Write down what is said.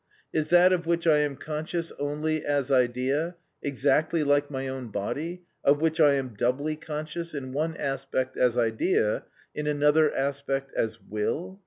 Is that of which I am conscious only as idea, exactly like my own body, of which I am doubly conscious, in one aspect as idea, in another aspect as will?